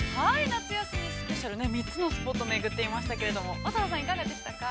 ◆夏休みスペシャル、３つのスポットをめぐっていますけど、乙葉さん、いかがでしたか。